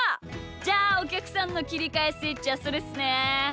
じゃあおきゃくさんのきりかえスイッチはそれっすね。